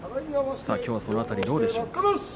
きょうはその辺りどうでしょうか。